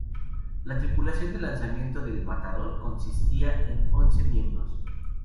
La tripulación de lanzamiento del "Matador" consistía en once miembros.